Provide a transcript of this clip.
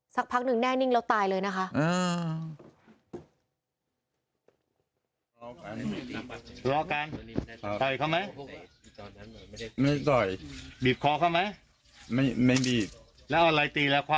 สักพักหนึ่งแน่นิ่งแล้วตายเลยนะคะ